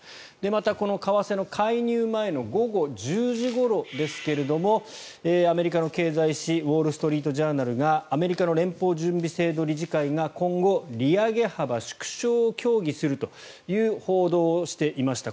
また、この為替の介入前の午後１０時ごろですがアメリカの経済紙ウォール・ストリート・ジャーナルがアメリカの連邦準備制度理事会が今後、利上げ幅縮小を協議するという報道をしていました。